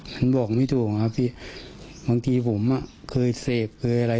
ฉันบอกไม่ถูกครับบางทีผมเคยเสพอะไร